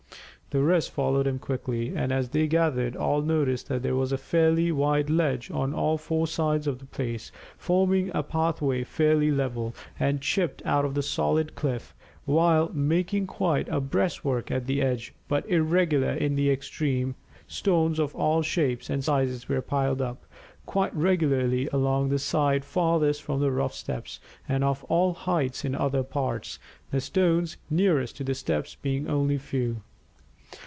The rest followed him quickly, and as they gathered, all noticed that there was a fairly wide ledge on all four sides of the place, forming a pathway fairly level, and chipped out of the solid cliff; while, making quite a breastwork at the edge, but irregular in the extreme, stones of all shapes and sizes were piled up, quite regularly along the side farthest from the rough steps, and of all heights in other parts, the stones nearest to the steps being only few.